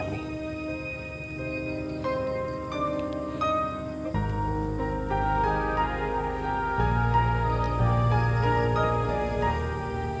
ar adalah pelita dalam hidup a'ah kemi